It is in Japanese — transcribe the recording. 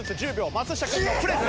松下君のプレス。